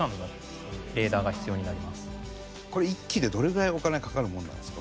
これ１基でどれぐらいお金がかかるものなんですか？